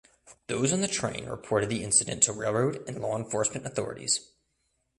Those on the train reported the incident to railroad and law enforcement authorities.